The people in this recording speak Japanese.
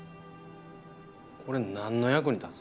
これ何の役に立つ？